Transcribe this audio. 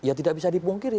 ya tidak bisa dipungkiri